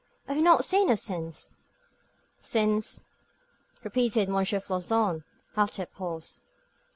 I have not seen her since " "Since?" repeated M. Floçon, after a pause.